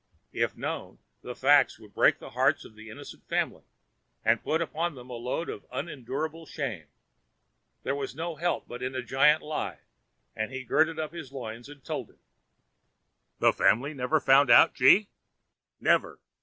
If know the facts would break the hearts of the innocent family and put upon them a load of unendurable shame. There was no help but in a giant lie, and he girded up his loins and told it. 'The family never found out, G— ?' 'Never.